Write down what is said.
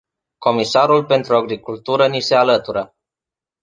Comisarul pentru agricultură ni se alătură.